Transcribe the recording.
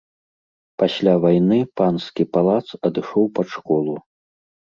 Пасля вайны панскі палац адышоў пад школу.